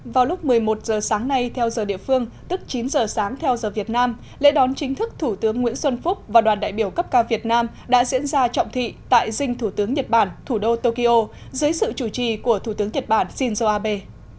vào lúc một mươi một h sáng nay theo giờ địa phương tức chín h sáng theo giờ việt nam lễ đón chính thức thủ tướng nguyễn xuân phúc và đoàn đại biểu cấp cao việt nam đã diễn ra trọng thị tại dinh thủ tướng nhật bản thủ đô tokyo dưới sự chủ trì của thủ tướng nhật bản shinzo abe